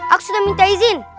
aku sudah minta izin